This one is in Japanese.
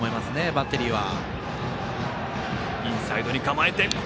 バッテリーは。